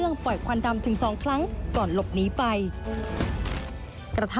แล้วเขามาจี้ดากผมครับ